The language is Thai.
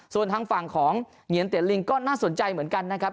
ส่วนทางฝั่งของเหงียนเตียนลิงก็น่าสนใจเหมือนกันนะครับ